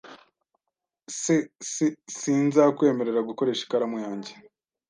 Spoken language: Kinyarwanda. S S Sinzakwemerera gukoresha ikaramu yanjye.